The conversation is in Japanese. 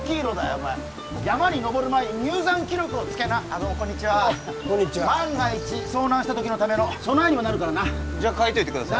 お前山に登る前に入山記録をつけなこんにちは万が一遭難した時のための備えにもなるからなじゃ書いといてください